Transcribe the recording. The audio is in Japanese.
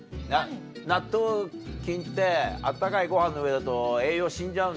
納豆菌って温かいご飯の上だと栄養死んじゃうんだよ。